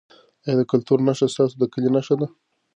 ایا دا کلتوري نښه ستاسو د کلي نښه ده؟